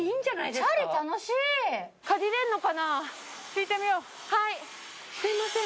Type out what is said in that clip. すみません。